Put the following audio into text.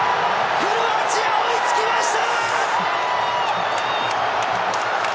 クロアチア、追いつきました！